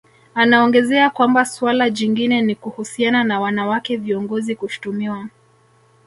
Anaongezea kwamba suala jingine ni kuhusiana na wanawake viongozi kushtumiwa